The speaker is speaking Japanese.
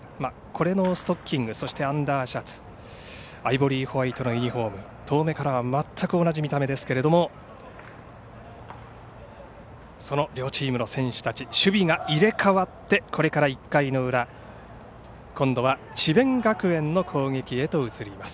ストッキング、アンダーシャツはアイボリーホワイトのユニフォーム、遠目から全く同じ見た目ですけれどもその両チームの選手たち守備が入れ代わってこれから１回の裏今度は、智弁学園の攻撃へと移ります。